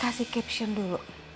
kasih caption dulu